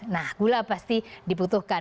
nah gula pasti diputuhkan